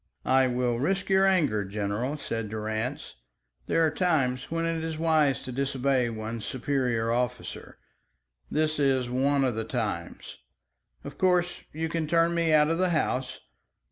"I will risk your anger, General," said Durrance. "There are times when it is wise to disobey one's superior officer. This is one of the times. Of course you can turn me out of the house.